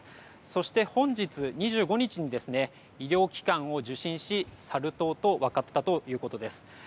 そして本日２５日に医療機関を受診しサル痘と分かったということです。